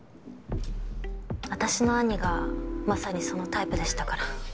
私の兄がまさにそのタイプでしたから。